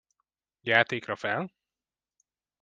Játékra fel?